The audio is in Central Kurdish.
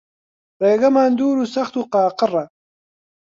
ڕێگەمان دوور و سەخت و قاقڕە